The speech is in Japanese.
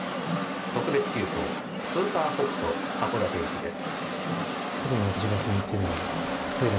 特別急行スーパー北斗函館行きです。